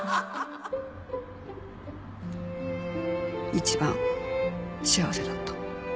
「」一番幸せだった。